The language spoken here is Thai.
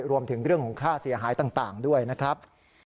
รวมถึงเรื่องของค่าเสียหายต่างด้วยนะครับ